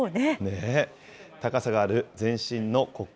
高さがある全身の骨格